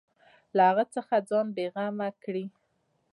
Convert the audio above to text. له هغه څخه ځان بېغمه کړي.